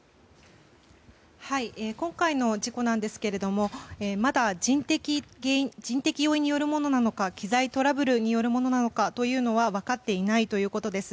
今回の事故ですがまだ人的要因によるものなのか機材トラブルによるものなのかということは分かっていないということです。